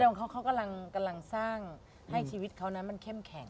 ของเขาเขากำลังสร้างให้ชีวิตเขานั้นมันเข้มแข็ง